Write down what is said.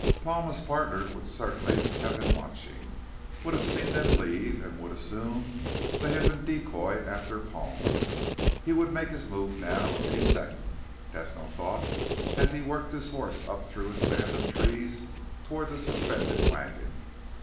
Palma's partner would certainly have been watching, would have seen them leave and would assume they had been decoyed after Palma. He would make his move now any second, Tesno thought as he worked his horse up through a stand of trees toward the suspended wagon.